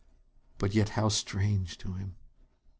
But yet how strange to him!